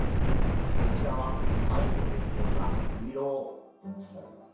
こちらは藍を練り込んだういろいただきます。